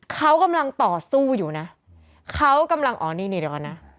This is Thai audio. เขากำลังต่อสู้อยู่นะเขากำลังอ๋อนี่นี่เดี๋ยวก่อนนะ